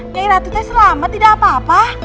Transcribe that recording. nyai ratu selama tidak apa apa